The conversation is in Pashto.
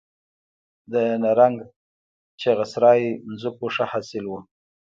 د نرنګ، چغه سرای ځمکو ښه حاصل و